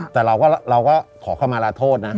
แต่เราก็ขอเข้ามาลาโทษนะ